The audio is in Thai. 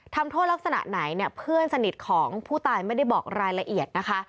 ทำโทษลักษณะไหนเนี่ยเพื่อนสนิทของผู้ตายไม่ได้บอกรายละเอียดนะคะ